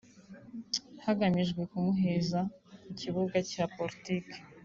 hagamijwe kumuheza mu kibuga cya politiki